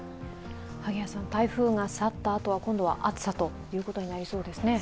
台風が去ったあとは今度は暑さということになりそうですね。